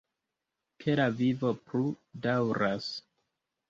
Ke la vivo plu daŭras!